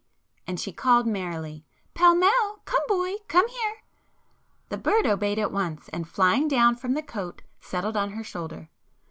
and she called merrily—"Pall Mall! Come boy!—come here!" The bird obeyed at once, and flying down from the cote settled on her shoulder.